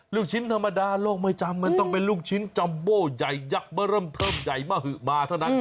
ลูกชิ้นธรรมดาโลกไม่จำมันต้องเป็นลูกชิ้นจัมโบ้ใหญ่ยักษ์มาเริ่มเทิมใหญ่มหึมาเท่านั้น